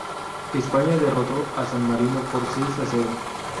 España derrotó a San Marino por seis a cero.